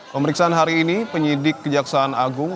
pemeriksaan hari ini penyidik kejaksaan agung